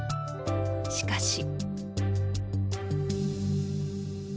しかし。